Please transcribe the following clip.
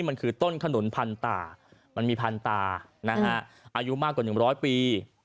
ลุ้นพันตามันมีพันตานะฮะอายุมากกว่าหนึ่งร้อยปี